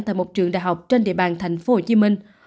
tại một trường đại học trên địa bàn thành phố hồ chí minh